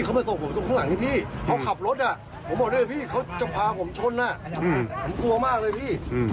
เขาขับรถผมบอกพี่จะพาผมช้นผมกลัวมากเลยพี่